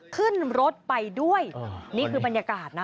ขึ้นรถไปด้วยนี่คือบรรยากาศนะ